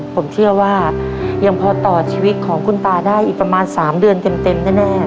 ผมเชื่อว่ายังพอต่อชีวิตของคุณตาได้อีกประมาณ๓เดือนเต็มแน่